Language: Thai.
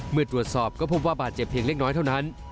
เมื่อตรวจสอบก็พบว่าบาดเจ็บเพียงเล็กน้อยเท่านั้น